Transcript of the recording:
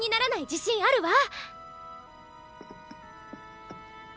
自信あるわ！